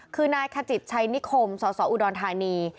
คือนายขจิตชัยนิคมสสอุดรธานี